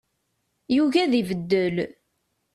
Yugi ad ibeddel.